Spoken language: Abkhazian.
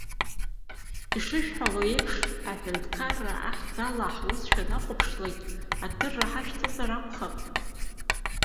Ишышәҳәало еиԥш, аҳәынҭқарра ахьӡала ҳус шәанахәаԥшлак, адырра ҳашәҭозар акәхап.